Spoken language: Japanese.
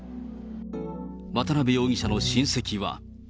渡辺容疑者の親戚は。